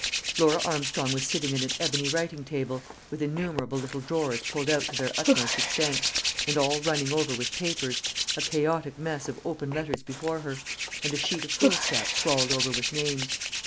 Laura Armstrong was sitting at an ebony writing table, with innumerable little drawers pulled out to their utmost extent, and all running over with papers, a chaotic mass of open letters before her, and a sheet of foolscap scrawled over with names.